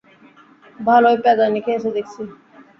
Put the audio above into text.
ভালোই প্যাঁদানি খেয়েছো দেখছি।